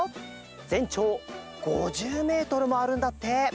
ぜんちょう５０メートルもあるんだって！